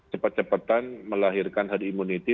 cepat cepatan melahirkan herd immunity